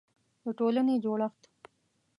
د ټولنې جوړښت